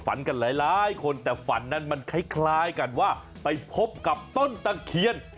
กันหลายคนแต่ฝันนั้นมันคล้ายกันว่าไปพบกับต้นตะเคียน